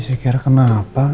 saya kira kenapa